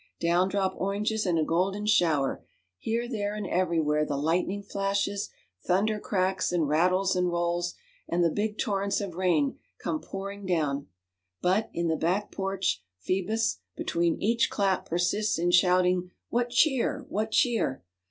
Down drop oranges in a golden shower; here, there, and everywhere the lightning flashes; thunder cracks and rattles and rolls; and the big torrents of rain come pouring down: but, in the back porch, Phoebus between each clap persists in shouting, "What cheer! what cheer!"